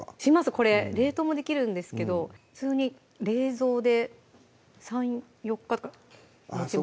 これ冷凍もできるんですけど普通に冷蔵で３４日もちます